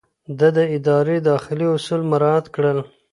ده د ادارې داخلي اصول مراعات کړل.